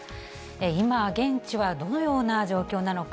今、現地はどのような状況なのか。